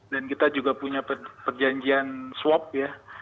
dan kita juga punya perjanjian swap ya